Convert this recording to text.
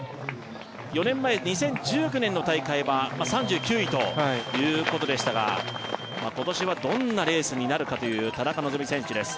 ４年前２０１９年の大会は３９位ということでしたが今年はどんなレースになるかという田中希実選手です